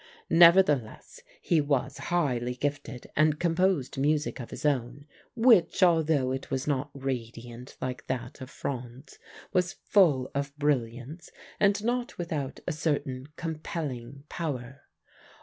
Nevertheless he was highly gifted and composed music of his own which, although it was not radiant like that of Franz, was full of brilliance and not without a certain compelling power.